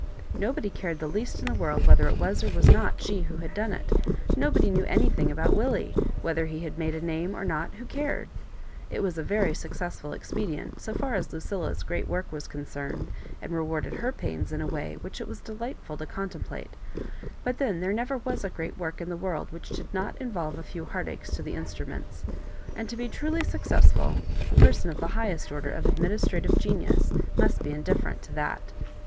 Nobody cared the least in the world whether it was or was not she who had done it Nobody knew anthing about Willie ; whether he made a Name or no^ who cared ? It was a very suc cessful expedient, so far as Lucilla's great work was concerned, and rewarded her pains in a way which it was delightful to contemplate ; but then there never was a great work in the world which did not involve a few heartaches to the instruments ; and to be truly successful a person of the highest order of administrative genius must be indifferent to that.